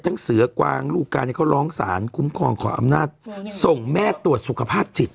เสือกวางลูกการเนี่ยเขาร้องสารคุ้มครองขออำนาจส่งแม่ตรวจสุขภาพจิต